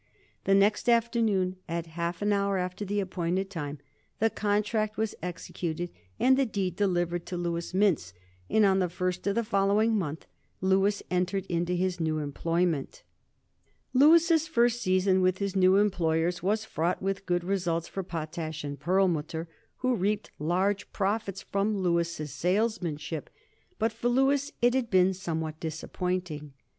The next afternoon, at half an hour after the appointed time, the contract was executed and the deed delivered to Louis Mintz, and on the first of the following month Louis entered upon his new employment. Louis' first season with his new employers was fraught with good results for Potash & Perlmutter, who reaped large profits from Louis' salesmanship; but for Louis it had been somewhat disappointing.